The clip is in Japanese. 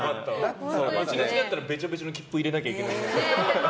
下だったら、べちょべちょの切符を入れなきゃいけなかった。